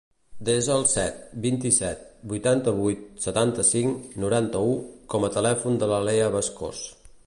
Desa el set, vint-i-set, vuitanta-vuit, setanta-cinc, noranta-u com a telèfon de la Lea Bescos.